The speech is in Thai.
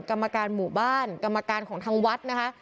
กรรมการหมู่บ้านกรรมการของทางวัดนะคะ